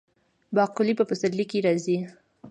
باقلي په پسرلي کې راځي.